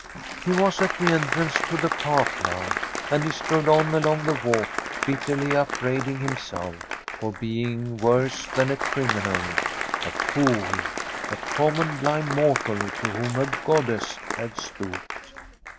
He was at the entrance to the Park now, and he strode on along the walk, bitterly upbraiding himself for being worse than a criminal a fool, a common blind mortal to whom a goddess had stooped.